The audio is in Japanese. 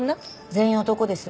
全員男です。